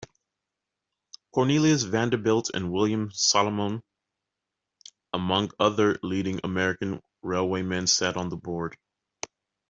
Cornelius Vanderbilt and William Salomon, among other leading American railwaymen sat on the board.